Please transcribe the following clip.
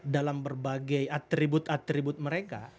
dalam berbagai atribut atribut mereka